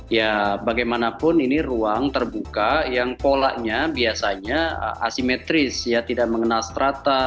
ya bagaimanapun ini ruang terbuka yang polanya biasanya asimetris ya tidak mengenal strata